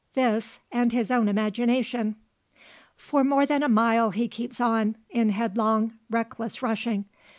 This, and his own imagination. For more than a mile he keeps on, in headlong reckless rushing.